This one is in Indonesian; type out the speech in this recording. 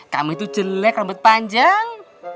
kamu itu jelek rambut panjang